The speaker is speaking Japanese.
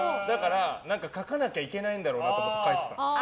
書かなきゃいけないんだろうなと思って、書いてた。